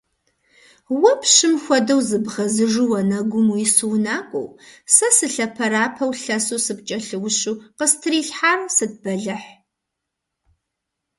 Уэ пщым хуэдэу зыбгъэзыжу уанэгум уису унакӀуэу, сэ сылъэпэрапэу лъэсу сыпкӀэлъыущу, къыстрилъхьар сыт бэлыхь?